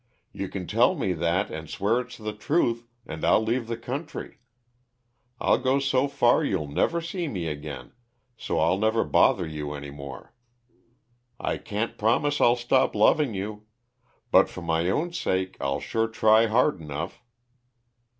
You can tell me that, and swear it's the truth, and I'll leave the country. I'll go so far you'll newer see me again, so I'll never bother you any more. I can't promise I'll stop loving you but for my own sake I'll sure try hard enough."